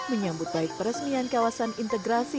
menyambut baik peresmian kawasan integrasi